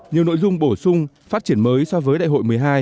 nhiều nội dung bổ sung phát triển mới so với đại hội một mươi hai